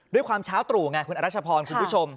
ด้วยความเช้าตรู่ไงคุณอรัชพรคุณผู้ชม